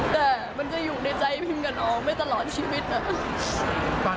แต่มันจะอยู่ในใจพิมกับน้องไม่ตลอดชีวิตนะ